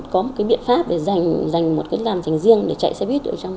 có một biện pháp để dành một làm dành riêng để chạy xe buýt